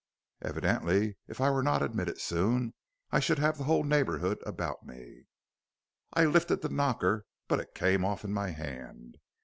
"Evidently, if I were not admitted soon I should have the whole neighborhood about me. "I lifted the knocker, but it came off in my hand.